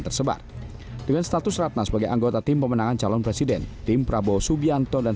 tersebar dengan status ratna sebagai anggota tim pemenangan calon presiden tim prabowo subianto dan